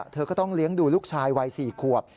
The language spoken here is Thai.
เธอก็ต้องเลี้ยงดูลูกชายวัย๔ขวบ